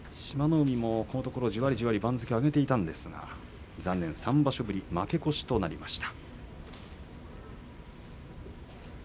海もこのところじわりじわり番付を上げていたんですが、残念３場所ぶりの負け越しとなりました。